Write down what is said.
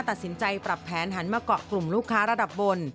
ตัดสินใจปรับแผนหันมาเกาะกลุ่มลูกค้าระดับบน